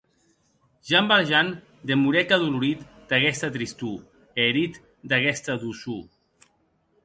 Jean Valjean demorèc adolorit d’aguesta tristor, e herit d’aguesta doçor.